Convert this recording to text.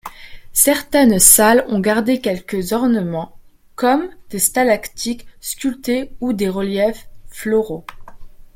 Certaines salles ont gardé quelques ornements, comme des stalactites sculptées ou des reliefs floraux.